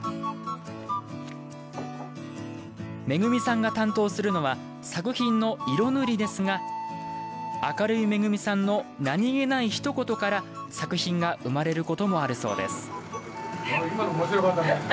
めぐみさんが担当するのは作品の色塗りですが明るいめぐみさんの何気ないひと言から作品が生まれることもあるそうです。